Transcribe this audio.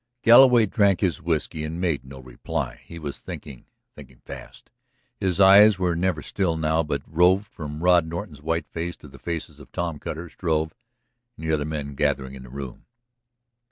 Galloway drank his whiskey and made no reply. He was thinking, thinking fast. His eyes were never still now, but roved from Rod Norton's white face to the faces of Tom Cutter, Struve, and the other men gathering in the room.